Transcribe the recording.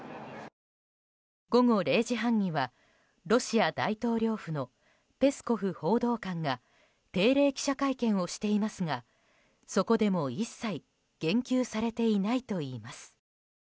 午後０時半にはロシア大統領府のペスコフ報道官が定例記者会見をしていますがそこでも一切言及されていないといいます。